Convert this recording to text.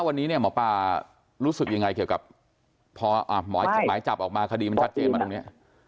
วันนี้เนี่ยหมอปลารู้สึกยังไงเกี่ยวกับพอหมายจับออกมาคดีมันชัดเจนมาตรงนี้